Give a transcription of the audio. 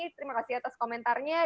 terima kasih atas komentarnya